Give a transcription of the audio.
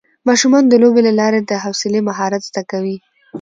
ماشومان د لوبو له لارې د حوصلې مهارت زده کوي